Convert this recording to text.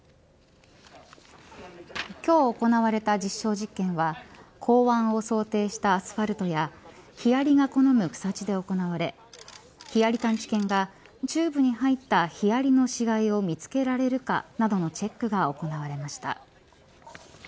今日行われた実証実験は港湾を想定したアスファルトやヒアリが好む草地で行われヒアリ探知犬がチューブに入ったヒアリの死骸を見つけられるかなどのチェックが行われました。